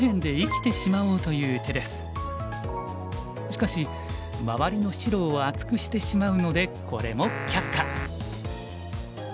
しかし周りの白を厚くしてしまうのでこれも却下。